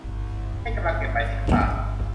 เม่นกำลังเก็บใบสีน้ำตาล